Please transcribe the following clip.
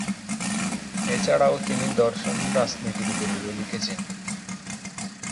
এছাড়াও তিনি দর্শন ও রাজনীতির উপর বই লিখেছেন।